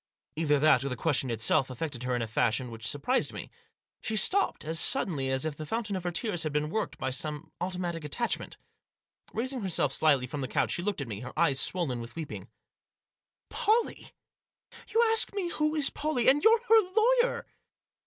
Either that or the question itself affected her in a fashion which surprised me. She stopped as suddenly as if the fountain of her tears had been worked by some automatic attachment. Raising herself slightly from the couch, she looked at me, her eyes swollen with weeping. Digitized by THE AGITATION OF MISS PURVIS. 195 " Pollie ? You ask me who is Pollie ? And you're her lawyer!"